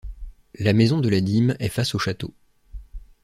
La Maison de la dîme est face au château.